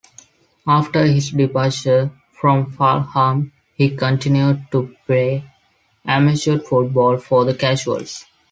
After his departure from Fulham, he continued to play amateur football for the Casuals.